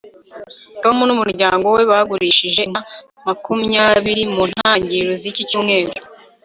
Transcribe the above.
tom n'umuryango we bagurishije inka makumyabiri mu ntangiriro ziki cyumweru